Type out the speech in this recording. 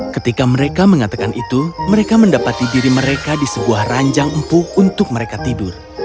ketika mereka mengatakan itu mereka mendapati diri mereka di sebuah ranjang empuk untuk mereka tidur